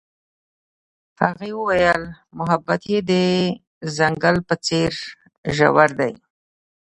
هغې وویل محبت یې د ځنګل په څېر ژور دی.